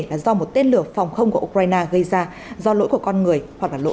là do một tên lửa phòng không của ukraine gây ra do lỗi của con người hoặc là lỗi